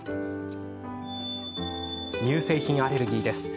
乳製品アレルギーです。